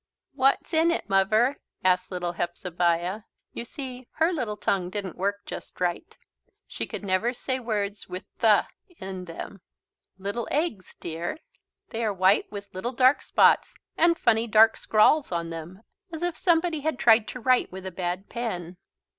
"What's in it, Muvver?" asked little Hepzebiah. You see her little tongue didn't work just right. She never could say words with "th" in them. "Little eggs, dear. They are white, with little dark spots and funny dark scrawls on them as if somebody had tried to write with a bad pen."